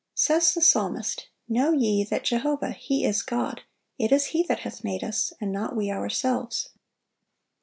(727) Says the psalmist, "Know ye that Jehovah, He is God: it is He that hath made us, and not we ourselves."